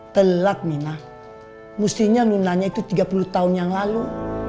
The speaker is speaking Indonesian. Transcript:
telak mina mestinya lunanya itu tiga puluh tahun yang lalu